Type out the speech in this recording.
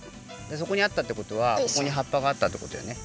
そこにあったってことはそこにはっぱがあったってことだよね。